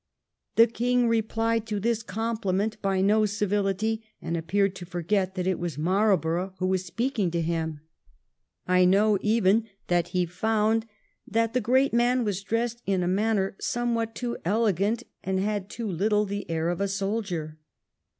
The King replied to that compliment by no civility, and appeared to forget that it was Marlborough who was speaking to him. I know even that he found that the great man was dressed in a manner some what too elegant, and had too little the air of a soldier.